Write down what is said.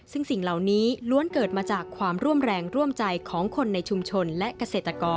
ซึ่งสิ่งเหล่านี้ล้วนเกิดมาจากความร่วมแรงร่วมใจของคนในชุมชนและเกษตรกร